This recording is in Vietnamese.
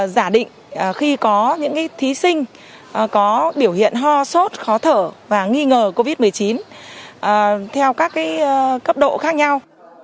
giả định khi có những thí sinh có biểu hiện ho sốt khó thở và nghi ngờ covid một mươi chín theo các cấp độ khác nhau